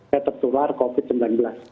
tetap keluar kopi sembilan belas